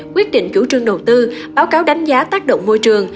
quyết định chủ trương đầu tư báo cáo đánh giá tác động môi trường